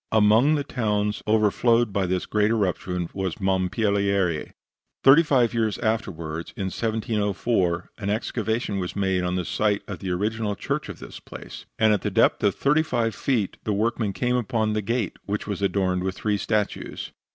Among the towns overflowed by this great eruption was Mompilieri. Thirty five years afterward, in 1704, an excavation was made on the site of the principal church of this place, and at the depth of thirty five feet the workmen came upon the gate, which was adorned with three statues.